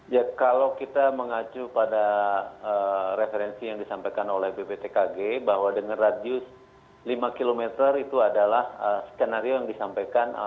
ya kalau kita mengacu pada referensi yang disampaikan oleh bptkg bahwa dengan radius lima km itu adalah skenario yang disampaikan